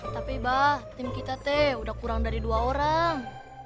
tapi bah tim kita teh udah kurang dari dua orang